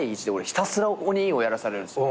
ひたすら鬼をやらされるんですよ。